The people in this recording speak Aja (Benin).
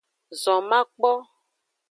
Zon makpo.